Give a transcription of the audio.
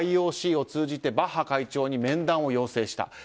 ＩＯＣを通じてバッハ会長に面談を要請した。